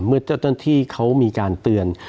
เมื่อที่เขามีการเตือน